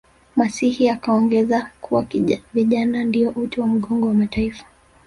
masihi akaongeza kuwa vijana ndiyo uti wa mgongo wa mataifa